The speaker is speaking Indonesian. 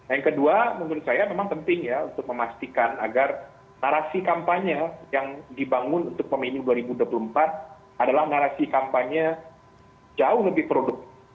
yang kedua menurut saya memang penting ya untuk memastikan agar narasi kampanye yang dibangun untuk pemilu dua ribu dua puluh empat adalah narasi kampanye jauh lebih produktif